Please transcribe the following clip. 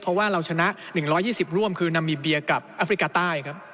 เพราะว่าเราชนะ๑๒๐ร่วมคือนามีเบียกับแอฟริกาใต้ครับ